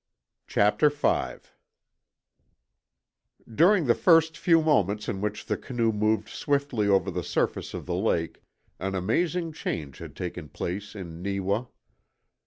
CHAPTER FIVE During the first few moments in which the canoe moved swiftly over the surface of the lake an amazing change had taken place in Neewa.